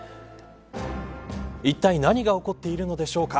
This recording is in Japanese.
いったい何が起こっているのでしょうか。